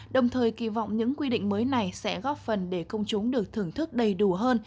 đồng thời kỳ vọng những quy định mới này sẽ góp phần để công chúng được thưởng thức đầy đủ hơn